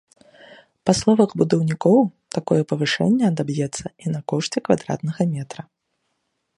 Па словах будаўнікоў, такое павышэнне адаб'ецца і на кошце квадратнага метра.